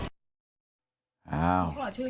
เธอขอชื่อแม่